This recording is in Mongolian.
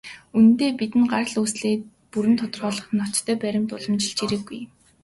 Үнэндээ, бидэнд гарал үүслээ бүрэн тодорхойлох ноттой баримт уламжилж ирээгүй.